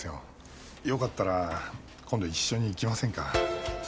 よかったら今度一緒に行きませんか？